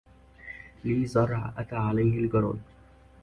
لي زرع أتى عليه الجراد